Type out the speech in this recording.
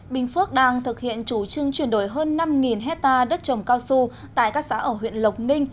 bình phước đang thực hiện chủ trương chuyển đổi hơn năm hectare đất trồng cao su tại các xã ở huyện lộc ninh